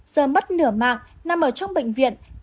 giờ mất nửa mạng nằm ở trong bệnh viện